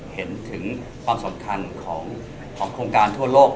เห็นถึงความสำคัญของโครงการทั่วโลก